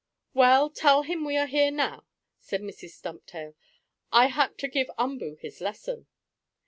"Well, tell him we are here now," said Mrs. Stumptail. "I had to give Umboo his lesson."